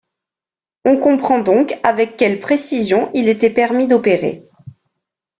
On comprend donc avec quelle précision il était permis d’opérer.